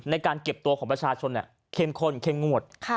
ในการเก็บตัวของประชาชนเข้มข้นเข้มงวด